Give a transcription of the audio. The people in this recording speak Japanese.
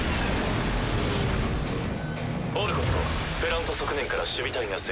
オルコットプラント側面から守備隊が接近。